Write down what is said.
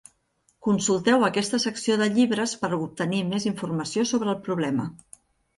Consulteu aquesta secció de llibres per obtenir més informació sobre el problema.